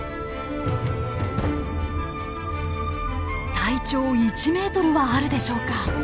体長１ｍはあるでしょうか。